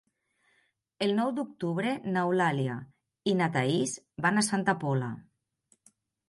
El nou d'octubre n'Eulàlia i na Thaís van a Santa Pola.